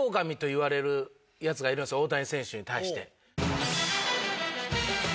大谷選手に対して。